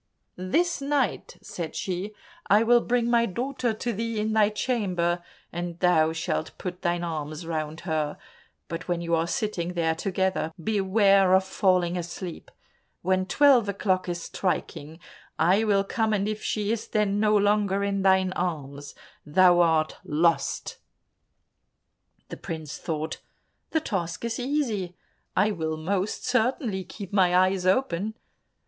This night," said she, "I will bring my daughter to thee in thy chamber, and thou shalt put thine arms round her, but when you are sitting there together, beware of falling asleep. When twelve o'clock is striking, I will come, and if she is then no longer in thine arms, thou art lost." The prince thought, "The task is easy, I will most certainly keep my eyes open."